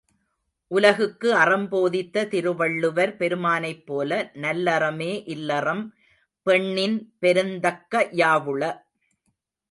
உலகுக்கு அறம் போதித்த திருவள்ளுவர் பெருமானைப் போல, நல்லறமே இல்லறம் பெண்ணின் பெருந்தக்க யாவுள?.